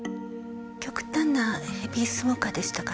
極端なヘビースモーカーでしたから。